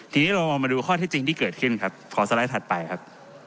ทีนี้เรามาดูข้อที่จริงที่เกิดขึ้นครับขอสไลด์ถัดไปครับ